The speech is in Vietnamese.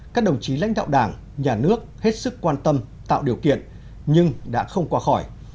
các đồng chí lãnh đạo đảng nhà nước hết sức quan tâm tạo điều kiện nhưng đã không qua khỏi